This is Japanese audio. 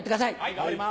頑張ります！